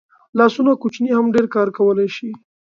لاسونه کوچني هم ډېر کار کولی شي